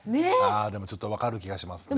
あでもちょっと分かる気がしますね。